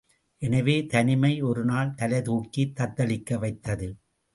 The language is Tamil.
எனவே, தனிமை ஒரு நாள் தலைதூக்கித் தத்தளிக்க வைத்தது.